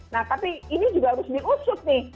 nah tapi ini juga harus diusut nih